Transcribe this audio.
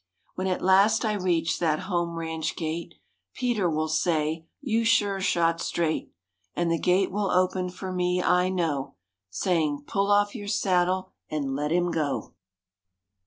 When at last I reach that Home Ranch gate, Peter will say, "You sure shot straight," And the gate will open for me, I know, Saying, "Pull off your saddle, and let him go!"